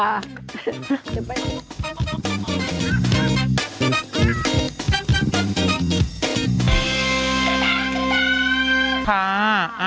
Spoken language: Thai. เดี๋ยวไปดีกว่า